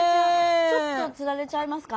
ちょっとつられちゃいますか？